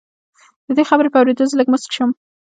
د دې خبرې په اورېدو زه لږ موسک شوم